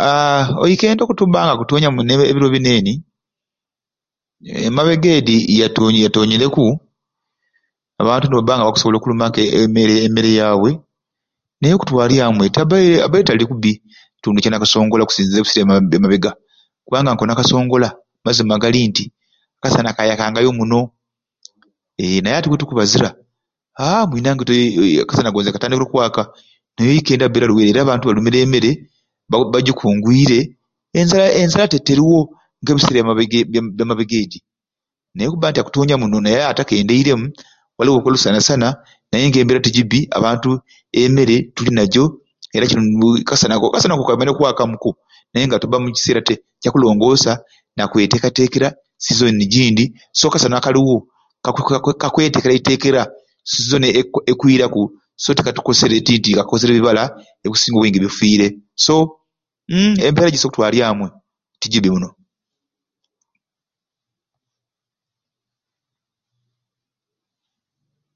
Aaa oikendi okutubba nga akutoonya muno ebiro bini eni emabega edi yatonye yatonyereku abantu nibabba nga bakusobola okulumaku emmere emmere yabwe naye okutwalya amwe tabbaire abbaire tali kubbi mu kitundu Kya Nakasongola okusinziira ebiseera bya bya mabega kubanga nk'o Nakasongola amazima gali nti akasana kayakangayo muno ee naye ati wetukubazira aa mwirange te ee akasana gonza katandikire okwaka naye oikendi abbaire aluwo era abantu balumire emmere bagi bagikungwire enzala enzala teruwo ng'ebiseera bya mabega edi mabega edi naye olw'okubba nga akutoonya muno naye ate akendeiremu waliwo ku olusanasana naye embeera tigibbi abantu emmere tulinajo era kiru a akasana akasana ko kabbaire kakwakamu ku naye nga tubba mu kiseera te kyakulongoosa na kwetekerateekera sizoni gindi so akasana akaliwo kakwe kakwe ka kweteekerateekera sizoni eku ekwiraku so tekatikosere te nti kakosere ebibala ebikusinga obwingi bifiire so uumm embeera gisai okutwarya amwe tigibbi muno.